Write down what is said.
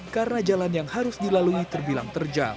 karena jalan yang harus dilalui terbilang terjam